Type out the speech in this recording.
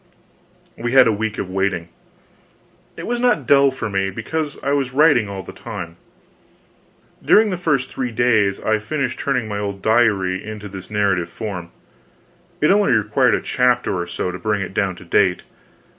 We had a week of waiting. It was not dull for me, because I was writing all the time. During the first three days, I finished turning my old diary into this narrative form; it only required a chapter or so to bring it down to date.